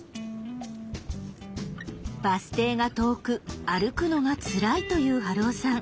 「バス停が遠く歩くのがつらい」という春雄さん。